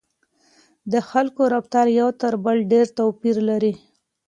د خلکو رفتار یو تر بل ډېر توپیر لري.